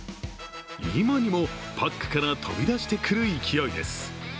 今にもパックから飛び出してくる勢いです。